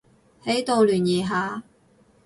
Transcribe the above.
喺度聯誼下